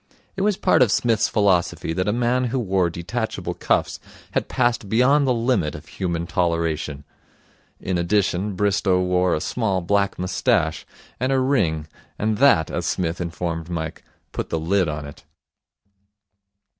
It was part of Psmith's philosophy that a man who wore detachable cuffs had passed beyond the limit of human toleration. In addition, Bristow wore a small black moustache and a ring and that, as Psmith informed Mike, put the lid on it.